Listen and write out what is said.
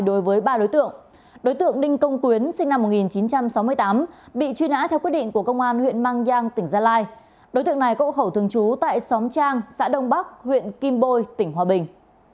đối tượng này cậu khẩu thường trú tại xóm trang xã đông bắc huyện kim bôi tỉnh hòa bình